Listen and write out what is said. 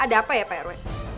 ada apa ya pak rw